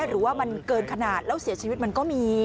หรือว่ามันเกินขนาดแล้วเสียชีวิตมันก็มี